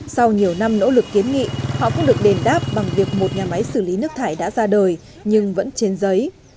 sau nhiều năm nỗ lực kiến nghị họ cũng được đền đáp bằng việc một nhà máy xử lý nước thải đã ra đời nhưng vẫn trên giấy